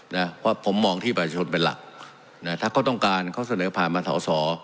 นะเพราะผมมองที่ประชาชนเป็นหลักนะถ้าเขาต้องการเขาเสนอผ่านมาสอสอ